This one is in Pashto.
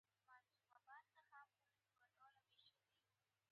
پکورې د ماشوم زړه خوندوروي